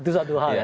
itu satu hal ya